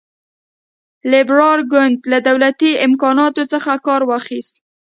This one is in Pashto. لېبرال ګوند له دولتي امکاناتو څخه کار واخیست.